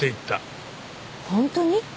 本当に？